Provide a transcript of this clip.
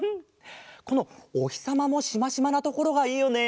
このおひさまもしましまなところがいいよね。